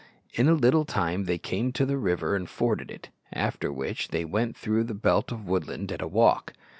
In a little time they came to the river and forded it, after which they went through the belt of woodland at a walk.